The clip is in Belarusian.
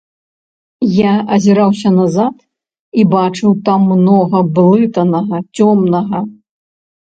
Я азіраўся назад і бачыў там многа блытанага, цёмнага.